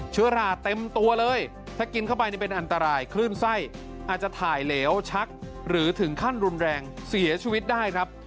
เชื้อราเต็มตัวเลยถ้ากินเข้าไปเป็นอันตรายคลื่นไส้อาจจะถ่ายเหลวชักหรือถึงขั้นรุนแรงเสียชีวิตได้ครับ